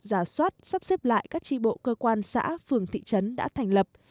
giả soát sắp xếp lại các tri bộ cơ quan xã phường thị trấn đã thành lập